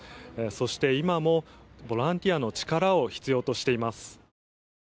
そして、今もボランティアの力を必要としています。